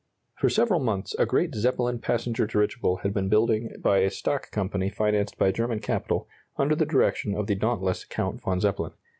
For several months a great Zeppelin passenger dirigible had been building by a stock company financed by German capital, under the direction of the dauntless Count von Zeppelin.